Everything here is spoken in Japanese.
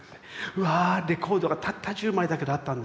うわぁレコードがたった１０枚だけどあったんですよ。